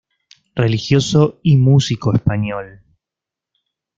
Religioso y músico español.